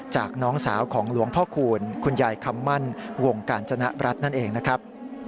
น้องสาวของหลวงพ่อคูณคุณยายคำมั่นวงกาญจนรัฐนั่นเองนะครับ